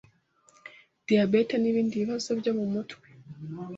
diyabete n’ibindi bibazo byo mu mutwe